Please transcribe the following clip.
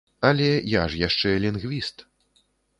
Але я ж яшчэ лінгвіст.